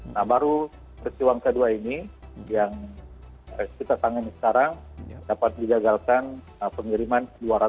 nah baru persiwang kedua ini yang kita tangani sekarang dapat dijagalkan pengiriman